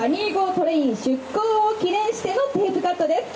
トレイン出航を記念してのテープカットです。